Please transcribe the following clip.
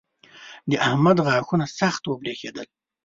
د احمد غاښونه سخت وبرېښېدل.